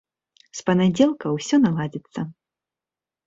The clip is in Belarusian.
З панядзелка ўсё наладзіцца.